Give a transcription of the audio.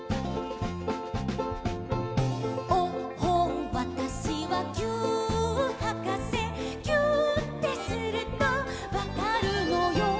「おっほんわたしはぎゅーっはかせ」「ぎゅーってするとわかるのよ」